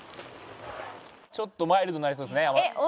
ちょっとマイルドになりそうですね辛さが。